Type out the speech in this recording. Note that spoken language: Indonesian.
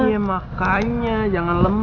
iya makanya jangan lemes